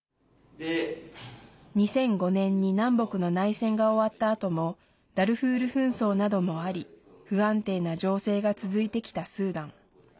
２００５年に南北の内戦が終わったあともダルフール紛争などもあり不安定な情勢が続いてきたスーダン。